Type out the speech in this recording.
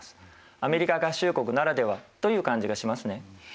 アメリカ合衆国ならではという感じがしますね。